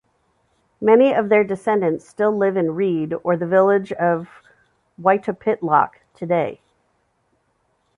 Many of their descendants still live in Reed or the village of Wytopitlock today.